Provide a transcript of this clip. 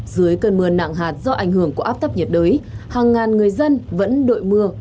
dưới cơn mưa nặng hạt do ảnh hưởng của áp thấp nhiệt đới hàng ngàn người dân vẫn đội mưa